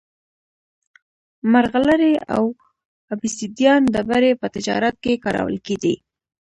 مرغلرې او اوبسیدیان ډبرې په تجارت کې کارول کېدې